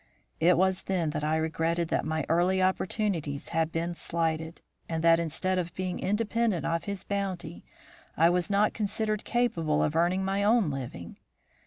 "It was then that I regretted that my early opportunities had been slighted, and that, instead of being independent of his bounty, I was not considered capable of earning my own living.